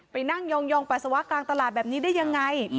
ไปนั่งยองปัสสาวะกลางตลาดแบบนี้ได้ยังไง